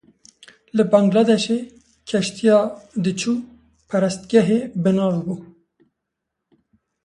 Li Bangladeşê keştiya diçû perestgehê binav bû.